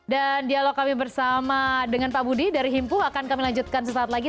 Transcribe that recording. dan dialog kami bersama dengan pak budi dari himpu akan kami lanjutkan sesaat lagi